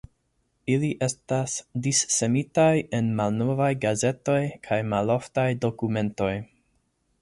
Ili estas dissemitaj en malnovaj gazetoj kaj maloftaj dokumentoj.